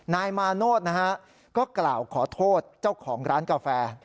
นายมาโนธนะฮะก็กล่าวขอโทษเจ้าของร้านกาแฟ